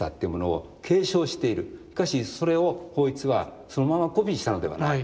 しかしそれを抱一はそのままコピーしたのではない。